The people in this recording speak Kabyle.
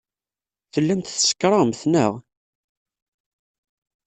Tellamt tsekṛemt, neɣ?